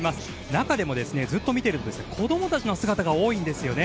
中でも、ずっと見ていると子供たちの姿が多いんですよね。